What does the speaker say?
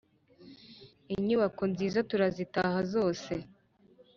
inyubako nziza turazitaha zose